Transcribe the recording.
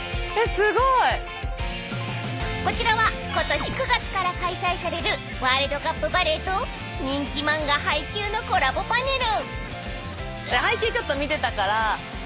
［こちらはことし９月から開催されるワールドカップバレーと人気漫画『ハイキュー！！』のコラボパネル］